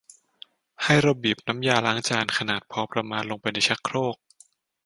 ให้เราบีบน้ำยาล้างจานขนาดพอประมาณลงไปในชักโครก